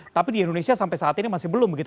tapi di indonesia sampai saat ini masih belum begitu